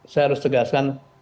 saya harus tegaskan